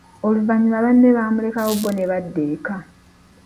Oluvanyuma banne bamulekawo bo ne badda eka.